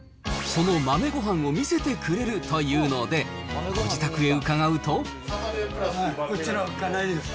その豆ごはんを見せてくれるというので、うちの家内です。